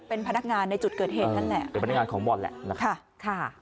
เป็นพนักงานในจุดเกิดเหตุนั้นแหละ